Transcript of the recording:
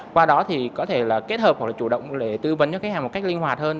qua đó thì có thể là kết hợp hoặc là chủ động tư vấn cho khách hàng một cách linh hoạt hơn